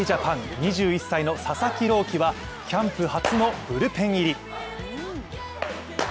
２１歳の佐々木朗希はキャンプ初のブルペン入り。